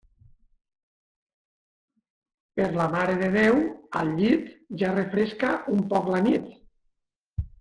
Per la Mare de Déu, al llit, ja refresca un poc la nit.